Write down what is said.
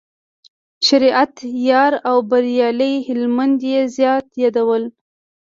شریعت یار او بریالي هلمند یې زیات یادول.